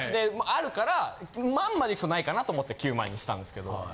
あるから万まで行くとないかなと思って９００００にしたんですけど。